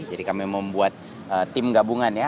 jadi kami membuat tim gabungan ya